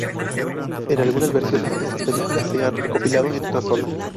En algunas versiones, estas películas se han recopilado en una sola.